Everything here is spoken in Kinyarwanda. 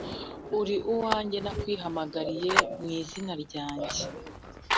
uri uwanjye, nakwihamagariye mu izina ryawe.